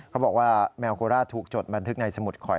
เขาบอกว่าแมวโคราชถูกจดบันทึกในสมุดข่อย